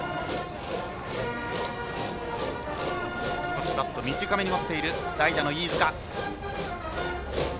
少しバットを短めに持っている代打の飯塚。